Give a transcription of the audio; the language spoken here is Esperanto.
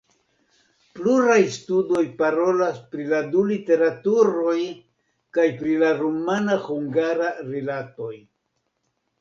Pluraj studoj parolas pri la du literaturoj kaj pri la rumana-hungara rilatoj.